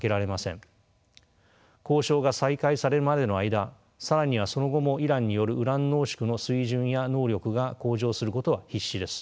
交渉が再開されるまでの間更にはその後もイランによるウラン濃縮の水準や能力が向上することは必至です。